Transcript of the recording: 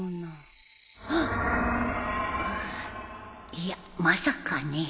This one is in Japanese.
いやまさかね